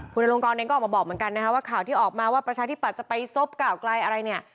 คุณอลงกรเองก็ออกมาบอกเหมือนกันนะคะว่าข่าวที่ออกมาว่าประชาธิปัตย์จะไปซบก่าวไกลอะไรเนี่ย